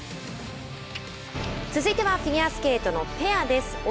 続いてはフィギュアスケートのペアです。